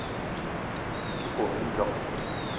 Me te kome mindjong.